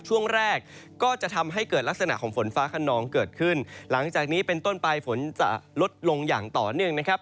ช่วงแรกก็จะทำให้เกิดลักษณะของฝนฟ้าขนองเกิดขึ้นหลังจากนี้เป็นต้นไปฝนจะลดลงอย่างต่อเนื่องนะครับ